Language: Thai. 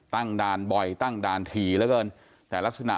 ตั้งดาลบ่อยตั้งดานถี่แล้วกัน